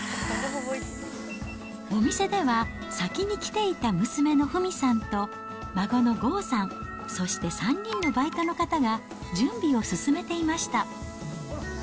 お店では、先に来ていた娘の富美さんと、孫の豪さん、そして３人のバイトの方が準備を進めていました。